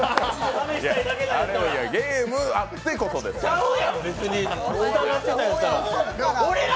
いや、ゲームあってこそですから。